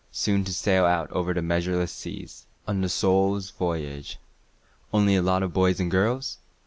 Soon to sail out over the measureless seas, On the Soul's voyage. Only a lot of boys and girls?